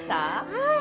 はい。